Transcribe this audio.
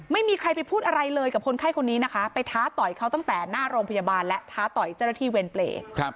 ไม่มีใครไปพูดอะไรเลยกับคนไข้คนนี้นะคะไปท้าต่อยเขาตั้งแต่หน้าโรงพยาบาลและท้าต่อยเจ้าหน้าที่เวรเปรย์